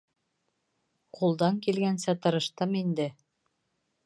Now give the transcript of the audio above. Ҡулдан килгәнсә тырыштым инде.